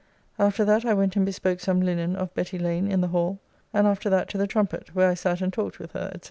After that I went and bespoke some linen of Betty Lane in the Hall, and after that to the Trumpet, where I sat and talked with her, &c.